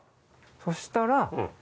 そしたら。